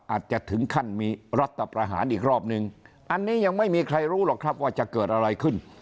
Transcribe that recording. อาจจะถึงขั้นมีรัฐประหารอีกรอบนึงอันนี้ยังไม่มีใครรู้หรอกครับว่าจะเกิดอะไรขึ้น